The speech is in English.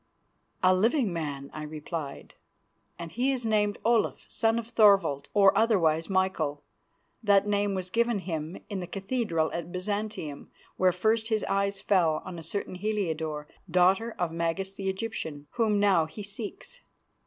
"A living man," I replied, "and he is named Olaf, son of Thorvald, or otherwise Michael. That name was given him in the cathedral at Byzantium, where first his eyes fell on a certain Heliodore, daughter of Magas the Egyptian, whom now he seeks."